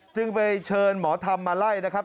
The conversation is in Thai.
จึงไปเชิญหมอธรรมมาไล่นะครับ